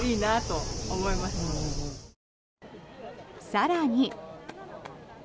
更に。